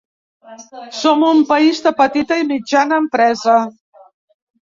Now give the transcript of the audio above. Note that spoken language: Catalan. Som un país de petita i mitjana empresa.